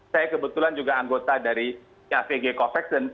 saya kebetulan juga anggota dari avg covax